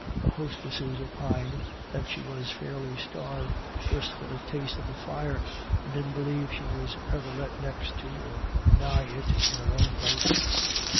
Her hostesses opined that she was fairly starved just for a taste of the fire, and didn't believe she was ever let next or nigh it in her own place.